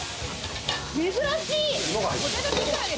珍しい。